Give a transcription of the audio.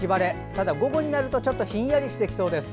ただ午後になるとちょっとひんやりしてきそうです。